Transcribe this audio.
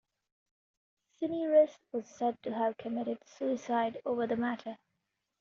Cinyras was said to have committed suicide over the matter.